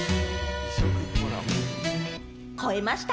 越えました。